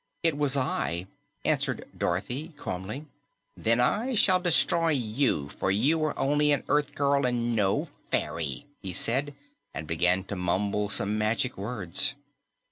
"It was I," answered Dorothy calmly. "Then I shall destroy you, for you are only an Earth girl and no fairy," he said, and began to mumble some magic words.